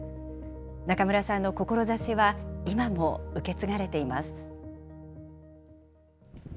中村さんの志は今も受け継がれています。